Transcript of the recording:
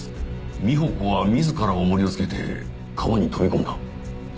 美穂子は自ら重りをつけて川に飛び込んだ。